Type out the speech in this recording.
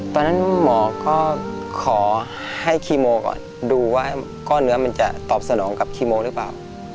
ตอนนั้นหมอก็ขอให้คีโมก่อนดูว่าก้อนเนื้อมันจะตอบสนองกับคีโมหรือเปล่า